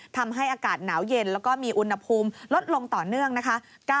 ทำให้อากาศหนาวเย็นแล้วก็มีอุณหภูมิลดลงต่อเนื่องนะคะ